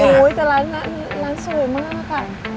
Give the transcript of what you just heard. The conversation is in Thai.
โอ้ยแต่ร้านสวยมาก